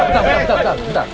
tidak tidak tidak tidak